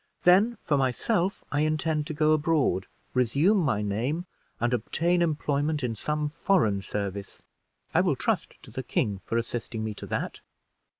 Then for myself I intend to go abroad, resume my name, and obtain employment in some foreign service. I will trust to the king for assisting me to that."